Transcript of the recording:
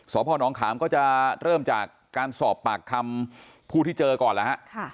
สพนขามก็จะเริ่มจากการสอบปากคำผู้ที่เจอก่อนนะครับ